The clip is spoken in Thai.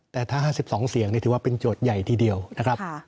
แต่ถ้า๕๒เสียงนี่ถือว่าเป็นโจทย์ใหญ่ทีเดียวนะครับ